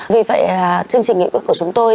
vì vậy chương trình nghị quyết của chúng tôi